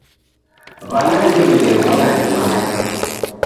W'ana ndew'ileghwaa ni mae